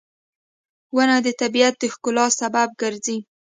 • ونه د طبیعت د ښکلا سبب ګرځي.